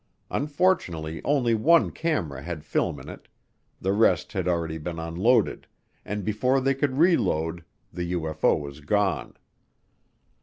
Unfortunately only one camera had film in it, the rest had already been unloaded, and before they could reload, the UFO was gone.